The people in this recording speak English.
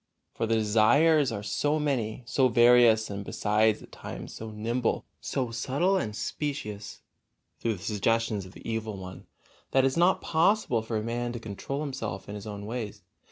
For the desires are so many, so various, and besides at times so nimble, so subtile and specious, through the suggestions of the evil one, that it is not possible for a man to control himself in his own ways.